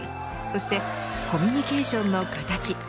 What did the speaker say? そしてコミュニケーションの形。